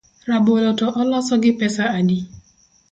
Rabolo to oloso gi pesa adi?